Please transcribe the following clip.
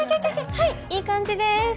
はいいい感じです。